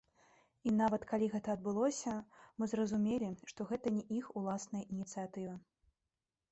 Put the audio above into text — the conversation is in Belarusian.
І нават, калі гэта адбылося мы зразумелі, што гэта не іх уласная ініцыятыва.